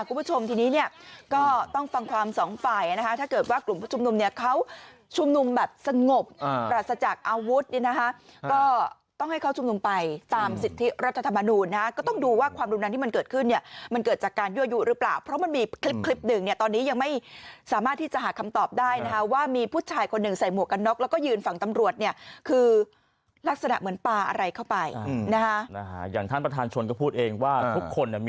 คุณผู้ชมที่นี้เนี่ยก็ต้องฟังความสองฝ่ายนะฮะถ้าเกิดว่ากลุ่มผู้ชุมนุมเนี่ยเขาชุมนุมแบบสงบปรัสจากอาวุธเนี่ยนะฮะก็ต้องให้เขาชุมนุมไปตามสิทธิรัฐธรรมนูนนะฮะก็ต้องดูว่าความรู้นั้นที่มันเกิดขึ้นเนี่ยมันเกิดจากการยั่วอยู่หรือเปล่าเพราะมันมีคลิปหนึ่งเนี่ยตอนน